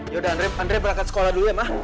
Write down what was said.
yaudah andre andre berangkat sekolah dulu ya ma